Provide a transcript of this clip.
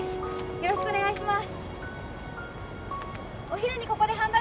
よろしくお願いします